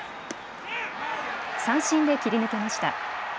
三振で切り抜けました。